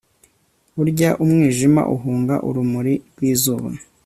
burya umwijima uhunga urumuri rwizuba